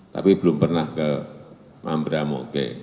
tapi belum pernah ke mambramoge